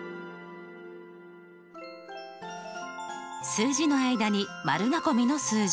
数字の間に丸囲みの数字。